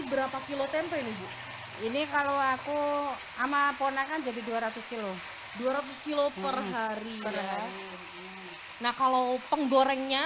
berapa kilo tempe ini ini kalau aku amapona kan jadi dua ratus kg dua ratus kg perhari nah kalau penggorengnya